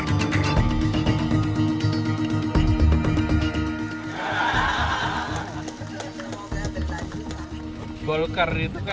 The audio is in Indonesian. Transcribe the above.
terima kasih pak ya